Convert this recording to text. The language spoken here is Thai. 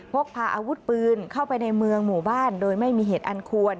พกพาอาวุธปืนเข้าไปในเมืองหมู่บ้านโดยไม่มีเหตุอันควร